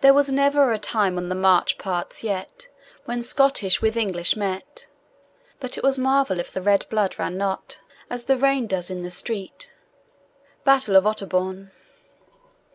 There never was a time on the march parts yet, When Scottish with English met, But it was marvel if the red blood ran not As the rain does in the street. BATTLE OF OTTERBOURNE.